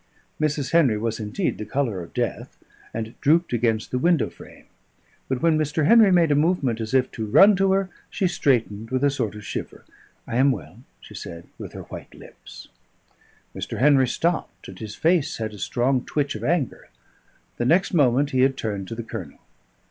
Mrs. Henry was indeed the colour of death, and drooped against the window frame. But when Mr. Henry made a movement as if to run to her, she straightened with a sort of shiver. "I am well," she said, with her white lips. Mr. Henry stopped, and his face had a strong twitch of anger. The next moment he had turned to the Colonel.